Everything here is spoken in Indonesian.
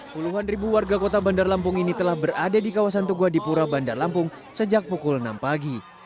puluhan ribu warga kota bandar lampung ini telah berada di kawasan tugua dipura bandar lampung sejak pukul enam pagi